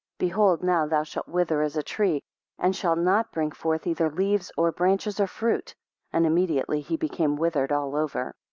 3 Behold, now thou shalt wither as a tree, and shalt not bring forth either leaves, or branches, or fruit. 4 And immediately he became withered all over.